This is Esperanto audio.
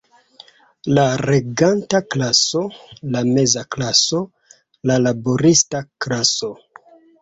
La reganta klaso, la meza klaso, la laborista klaso.